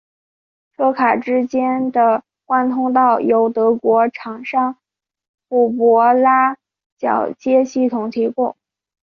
车卡之间的贯通道由德国厂商虎伯拉铰接系统提供。